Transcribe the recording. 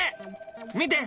見て！